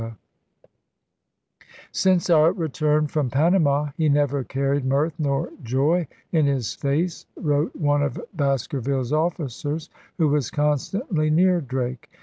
228 ELIZABETHAN SEA DOGS * Since our return from Panama he never carried mirth nor joy in his face/ wrote one of Basker ville's ojfficers who was constantly near Drake.